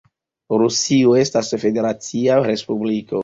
Rusio estas federacia respubliko.